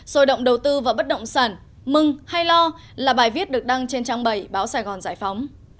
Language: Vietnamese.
rồi động đầu tư vào bất động sản mừng hay lo là bài viết được đăng trên trang bảy báo sài gòn giải phóng